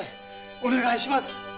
お願いします。